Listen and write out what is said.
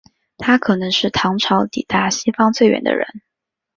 他可能是唐朝抵达西方最远的人。